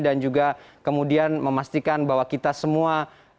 dan juga kemudian memastikan bahwa kita semua